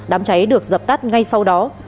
đám cháy được dập tắt ngay sau đó